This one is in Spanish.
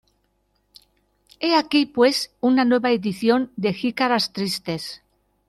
He aquí, pues, una nueva edición de Jicaras tristes.